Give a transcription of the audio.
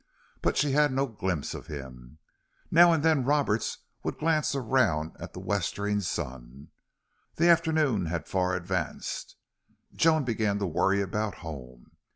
But she had no glimpse of him. Now and then Roberts would glance around at the westering sun. The afternoon had far advanced. Joan began to worry about home.